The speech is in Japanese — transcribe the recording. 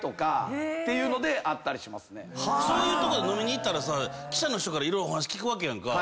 そういう所飲みに行ったら記者の人から色々お話聞くわけやんか。